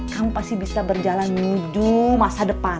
kamu pasti bisa berjalan wudhu masa depan